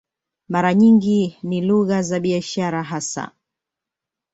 Mara nyingi ni lugha za biashara hasa.